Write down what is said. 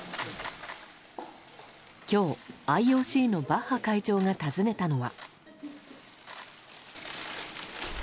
今日、ＩＯＣのバッハ会長が訪ねたのは。